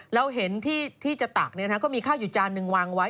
เราเห็นที่จะตักก็มีข้าวอยู่จานหนึ่งวางไว้